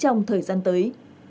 trong thời gian tới